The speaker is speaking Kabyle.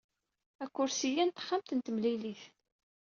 Akersi-a n texxamt n temlilit.